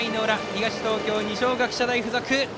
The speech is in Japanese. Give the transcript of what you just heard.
東京、二松学舎大付属。